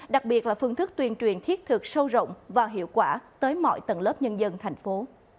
đặc biệt là phương thức tuyên truyền thiết thực sâu rộng và hiệu quả tới mọi tầng lớp nhân dân thành phố